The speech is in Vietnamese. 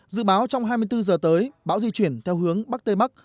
dự báo trong hai mươi bốn giờ tới bão di chuyển theo hướng bắc tây bắc